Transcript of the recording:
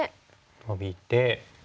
ノビて。